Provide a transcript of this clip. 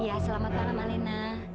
iya selamat malam alena